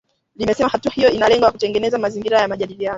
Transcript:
Limesema hatua hiyo ina lengo la kutengeneza mazingira ya majadiliano